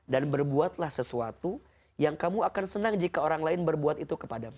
dan berbuatlah sesuatu yang kamu akan senang jika orang lain berbuat itu kepadamu